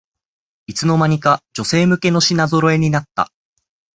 いつの間にか女性向けの品ぞろえになった